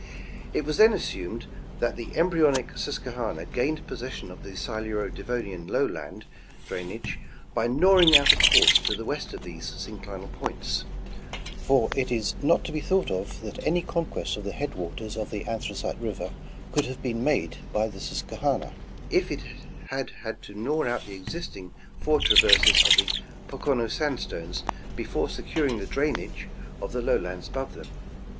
It was then assumed that the embryonic Susquehanna gained possession of the Siluro Devonian lowland drainage by gnawing out a course to the west of these synclinal points ; for it is not to be thought of that any conquest of the headwaters of the Anthracite river could have been made by the Susquehanna if it had had to gnaw out the existing four traverses of the Pocono sandstones before securing the drainage of the lowlands above them.